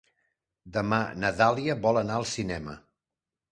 Demà na Dàlia vol anar al cinema.